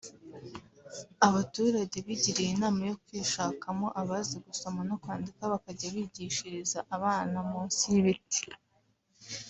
Abaturage bigiriye inama yo kwishakamo abazi gusoma no kwandika bakajya bigishiriza abana munsi y’ibiti